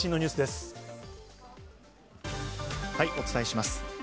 お伝えします。